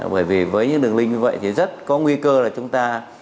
bởi vì với những đường lin như vậy thì rất có nguy cơ là chúng ta